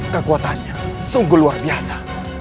kekuatannya sungguh luar biasa